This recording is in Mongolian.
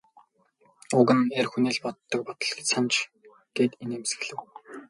Уг нь эр хүний л боддог бодол санж гээд инээмсэглэв.